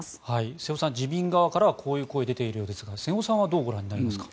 瀬尾さん、自民側からはこういう声が出ているようですが瀬尾さんはどうご覧になりますか？